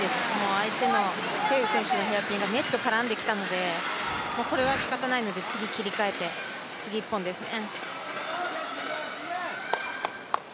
相手の鄭雨選手のヘアピンがネットに絡んできたのでこれはしかたないので、次に切り替えて、次１本ですね。